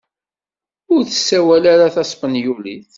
Ur tessawal ara taspenyulit.